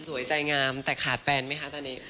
สวยใจงามแต่ขาดแฟนไหมคะตอนนี้